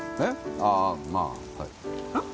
ああまあはいうん？